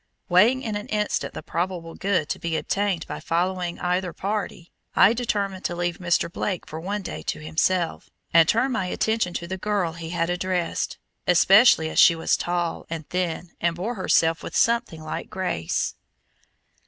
Weighing in an instant the probable good to be obtained by following either party, I determined to leave Mr. Blake for one day to himself, and turn my attention to the girl he had addressed, especially as she was tall and thin and bore herself with something like grace.